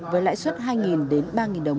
với lãi suất hai đến ba đồng